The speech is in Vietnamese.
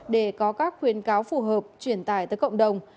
để có các khuyến cáo phù hợp truyền tải tới cộng đồng